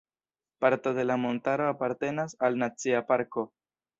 Parto de la montaro apartenas al Nacia parko.